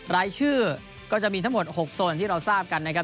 รายชื่อก็จะมีทั้งหมด๖โซนที่เราทราบกันนะครับ